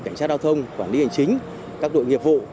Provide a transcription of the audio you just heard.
cảnh sát giao thông quản lý hành chính các đội nghiệp vụ